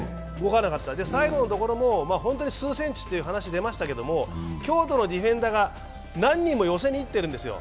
最後のところも本当に数センチという話が出ましたけど、京都のディフェンダーが何人も寄せにいってるんですよ。